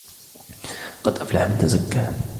قَدْ أَفْلَحَ مَنْ تَزَكَّى